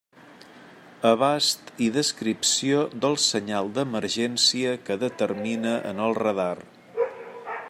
Abast i descripció del senyal d'emergència que determina en el radar.